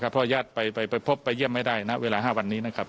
เพราะญาติไปพบไปเยี่ยมไม่ได้ณเวลา๕วันนี้นะครับ